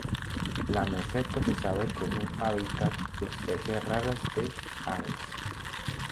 La meseta se sabe que es un hábitat de especies raras de aves.